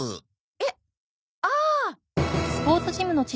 えっ？ああ。